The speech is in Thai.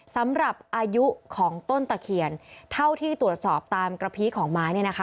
สำหรับอายุของต้นตะเคียนเท่าที่ตรวจสอบตามกระพีของไม้เนี่ยนะคะ